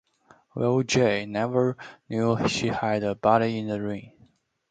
Well, Jane - never knew she had a body in the rain.